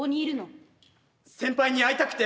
先輩に会いたくて。